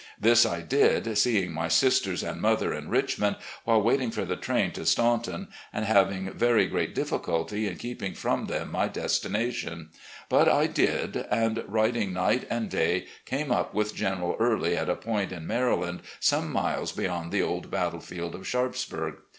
This I did, seeing my sisters and mother in Richmond while waiting for the train to Statmton, and having very great difficulty in keeping from them my destination. But I 132 RECOLLECTIONS OP GENERAL LEE did, and, riding night and day, came up with General Early at a point in Maryland some miles beyond the old battlefield of Sharpsbtrrg.